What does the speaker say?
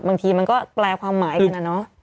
บางทีมันก็แปลความหมายกันนะเนอะ